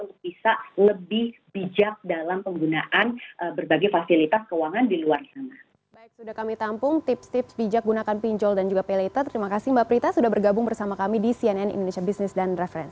untuk bisa lebih bijak dalam penggunaan berbagai fasilitas keuangan di luar sana